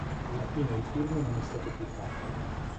Alla fine il film non è stato più fatto.